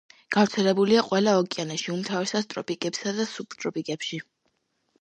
გავრცელებულია ყველა ოკეანეში, უმთავრესად ტროპიკებსა და სუბტროპიკებში.